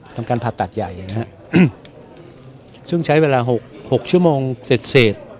ทำการผ่าตัดใหญ่อย่างนี้ซึ่งใช้เวลาหกหกชั่วโมงเสร็จเสร็จ